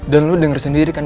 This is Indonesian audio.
dan lu denger sendiri kan